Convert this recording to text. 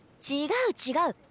違う違う！